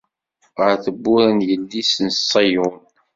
Ɣer tewwura n yelli-s n Ṣiyun.